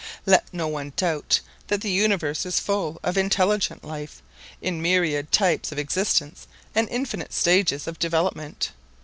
Let no one doubt that the universe is full of intelligent life, in myriad types of existence and infinite stages of development.